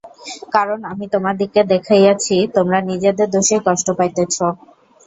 কারণ আমি তোমাদিগকে দেখাইয়াছি, তোমরা নিজেদের দোষেই কষ্ট পাইতেছ।